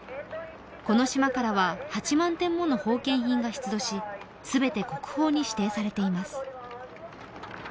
この島からは８満点もの奉献品が出土し、全て国宝に指定されています。